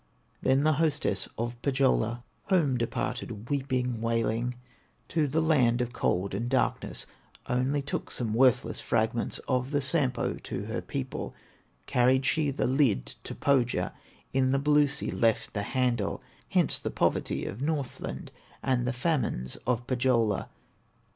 Then the hostess of Pohyola Home departed, weeping, wailing, To the land of cold and darkness; Only took some worthless fragments Of the Sampo to her people; Carried she the lid to Pohya, In the blue sea left the handle; Hence the poverty of Northland, And the famines of Pohyola.